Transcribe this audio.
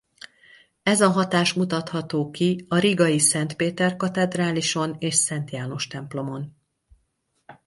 Ez a hatás mutatható ki a rigai Szent Péter-katedrálison és Szent János-templomon.